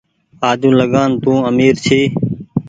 آجوٚنٚ لگآن تو آمير ڇي